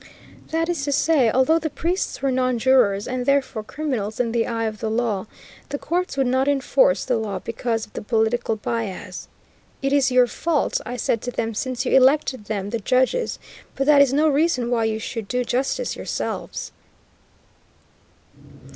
That is to say, although the priests were non jurors, and, therefore, criminals in the eye of the law, the courts would not enforce the law because of political bias. "It is your fault," I said to them, "since you elected them [the judges], but that is no reason why you should do justice yourselves."